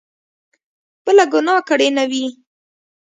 بله ګناه کړې نه وي.